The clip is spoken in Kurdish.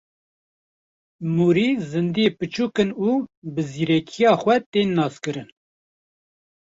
Mûrî zîndiyên biçûk in û bi zîrekiya xwe tên naskirin.